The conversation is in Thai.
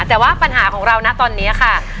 แต่ว่าปัญหาของเรานะตอนนี้ค่ะ